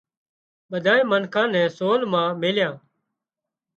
هانَ ٻۮانئين منکان نين سول مان ميليان